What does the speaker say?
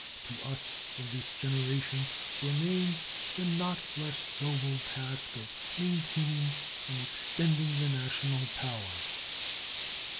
To us of this generation remains the not less noble task of maintaining and extending the national power.